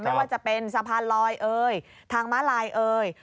ไม่ว่าจะเป็นสะพานลอยเอ่ยทางม้าลายเอ่ย